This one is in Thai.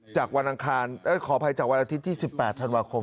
จากวันอาทิตย์ที่๑๘ธันวาคม